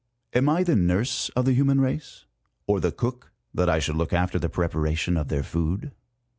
Am I the nurse of the human race ; or the cook, that I should look after the preparation of their food